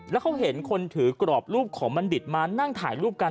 แล้วเขาเห็นคนถือกรอบรูปของบัณฑิตมานั่งถ่ายรูปกัน